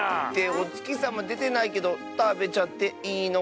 おつきさまでてないけどたべちゃっていいのかなあ。